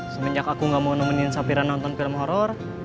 semenjak aku gak mau nemenin sapiran nonton film horor